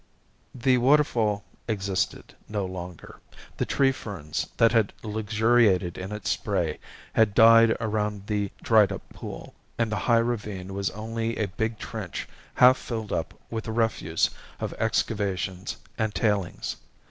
The waterfall existed no longer. The tree ferns that had luxuriated in its spray had died around the dried up pool, and the high ravine was only a big trench half filled up with the refuse of excavations and tailings.